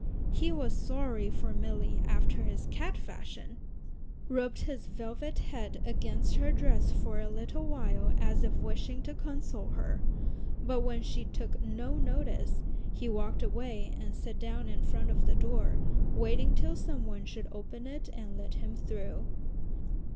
He was sorry for Milly after his cat fashion, rubbed his velvet head against her dress for a little while as if wishing to console her, but when she took no notice, he walked away and sat down in front of the door, waiting till some one should open it and let him through.